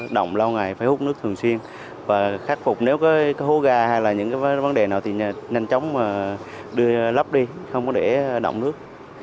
đồng lao ngày phải hút nước thường xuyên và khắc phục nếu có hố gà hay là những vấn đề nào thì nhanh chóng đưa lấp đi không có để động nước